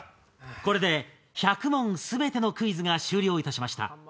これで１００問全てのクイズが終了いたしました。